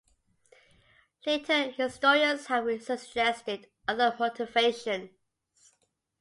Later historians have suggested other motivations.